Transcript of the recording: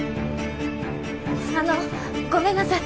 あのごめんなさい